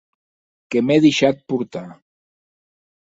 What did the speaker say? Que m'è deishat portar!